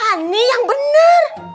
ini yang bener